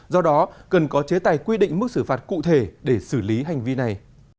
do đó cần có chế tài quy định mức xử phạt cụ thể để xử lý hành vi này